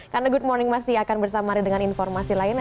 karena good morning masih akan bersama hari dengan informasi lainnya